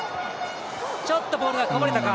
ちょっとボールがこぼれたか。